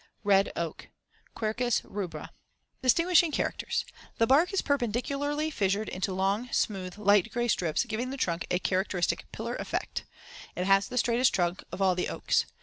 RED OAK (Quercus rubra) Distinguishing characters: The *bark* is perpendicularly fissured into long, smooth, light gray strips giving the trunk a characteristic *pillar effect* as in Figs. 61 and 94. It has the straightest trunk of all the oaks.